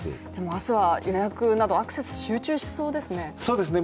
明日は予約など、アクセス集中しそうですね。